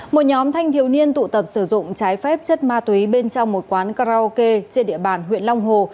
một nhóm thanh thiếu niên tụ tập sử dụng trái phép chất ma túy bên trong một quán karaoke trên địa bàn huyện long hồ